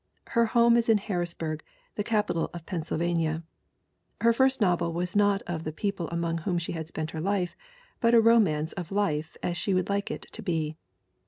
Her home is in Harrisburg, the capital of Penn sylvania. Her first novel was not of the people among whom she had spent her life but "a romance of life as she would like it to be."